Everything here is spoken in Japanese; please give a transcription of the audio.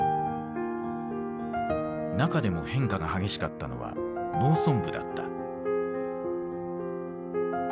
中でも変化が激しかったのは農村部だった。